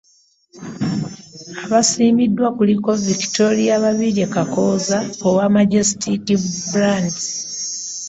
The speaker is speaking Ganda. Abaasiimiddwa kuliko; Victoria Babirye Kakooza owa Majestic Brands